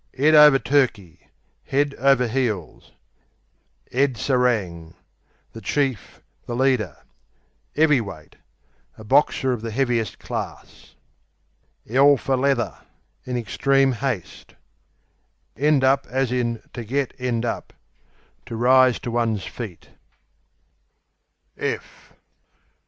'Ead over Turkey Head over heels. 'Ead Serang The chief; the leader. 'Eavyweight A boxer of the heaviest class. 'Ell fer leather In extreme haste. End up, to get To rise to one's feet.